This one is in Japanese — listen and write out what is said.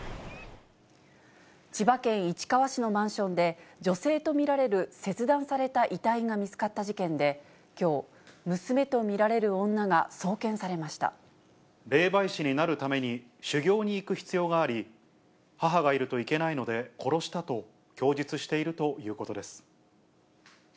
千葉県市川市のマンションで、女性と見られる切断された遺体が見つかった事件で、きょう、霊媒師になるために修行に行く必要があり、母がいるといけないので殺したと供述しているということです。